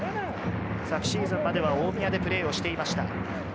昨シーズンまでは大宮でプレーをしていました。